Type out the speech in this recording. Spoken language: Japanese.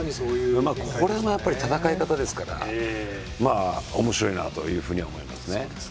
これもやっぱり戦い方ですからおもしろいなというふうには思います。